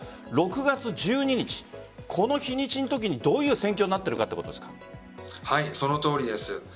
６月１２日この日にちのときにどういう戦況になっているかそのとおりです。